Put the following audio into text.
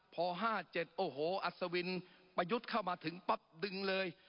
พอ๕๗โอ้โหอัศวินประยุทธ์เข้ามาถึงปั๊บดึงเลย